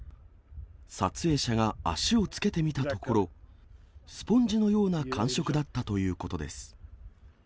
撮影者が足をつけてみたところ、スポンジのような感触だったということです。